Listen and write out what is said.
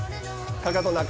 かかと中。